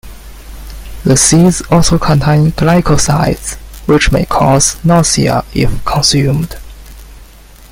The seeds also contain glycosides, which may cause nausea if consumed.